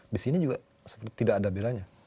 di sini juga tidak ada bedanya